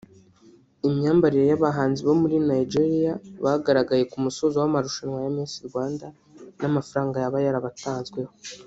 Imyambarire y’abahanzi bo muri Nigeria bagaragaye ku musozo w’amarushanwa ya Miss Rwanda n’amafaranga yaba yarabatanzweho